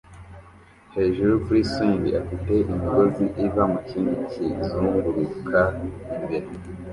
hejuru kuri swing afite imigozi iva mukindi kizunguruka imbere